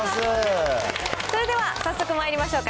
それでは早速まいりましょうか。